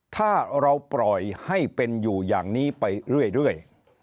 ถ้าเราปล่อยให้เป็นอยู่อย่างนี้ไปเรื่อย